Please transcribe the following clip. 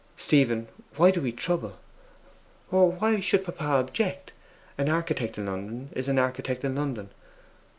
Stephen, why do we trouble? Why should papa object? An architect in London is an architect in London.